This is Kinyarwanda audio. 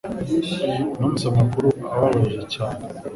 Numvise amakuru ababaye cyane